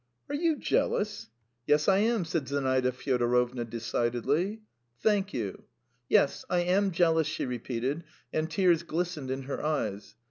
"Are you jealous?" "Yes, I am," said Zinaida Fyodorovna, decidedly. "Thank you." "Yes, I am jealous," she repeated, and tears glistened in her eyes.